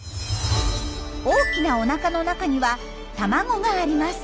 大きなおなかの中には卵があります。